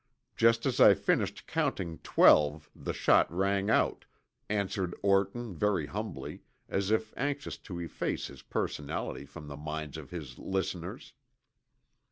Just as I finished counting twelve the shot rang out," answered Orton very humbly, as if anxious to efface his personality from the minds of his listeners.